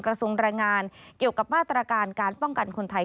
ทรงรายงานเกี่ยวกับมาตรการการป้องกันคนไทย